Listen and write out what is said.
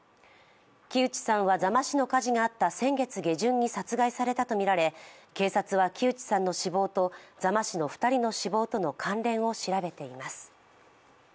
木内さんは座間市の火事があった先月下旬に殺害されたとみられ警察は木内さんの死亡と座間市の２人の死亡との関連を調べています。